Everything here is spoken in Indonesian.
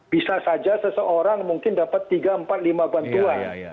bisa saja seseorang mungkin dapat tiga empat lima bantuan